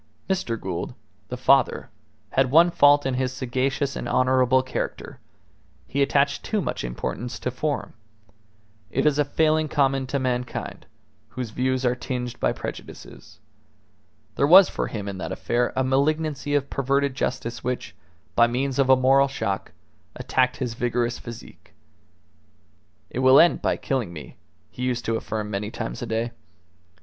Mr. Gould, the father, had one fault in his sagacious and honourable character: he attached too much importance to form. It is a failing common to mankind, whose views are tinged by prejudices. There was for him in that affair a malignancy of perverted justice which, by means of a moral shock, attacked his vigorous physique. "It will end by killing me," he used to affirm many times a day.